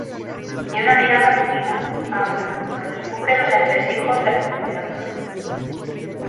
Y una mirada vigila, habla, nos descubre los entresijos de la sociedad marroquí.